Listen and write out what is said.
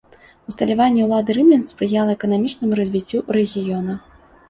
Усталяванне ўлады рымлян спрыяла эканамічнаму развіццю рэгіёна.